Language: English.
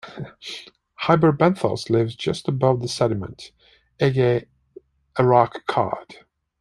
Hyperbenthos lives just above the sediment, e.g., a rock cod.